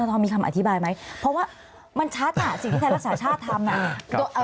ทรมีคำอธิบายไหมเพราะว่ามันชัดอ่ะสิ่งที่ไทยรักษาชาติทำอ่ะ